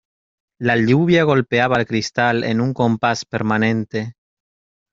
La lluvia golpeaba el cristal en un compás permanente